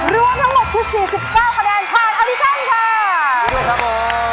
รวมทั้งหมดคือ๔๙คะแนนขาดอันดิจันทร์ค่ะ